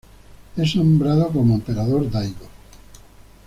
Es nombrado como Emperador Daigo.